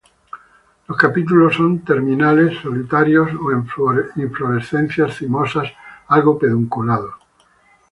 Los capítulos son terminales, solitarios o en inflorescencias cimosas, algo pedunculados.